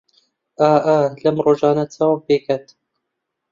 ئا ئا لەم ڕۆژانە چاوم پێی کەت